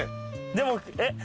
でもえっ？